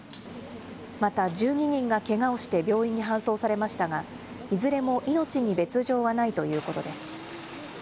また１２人がけがをして病院に搬送されましたが、いずれも命に別状はないということです。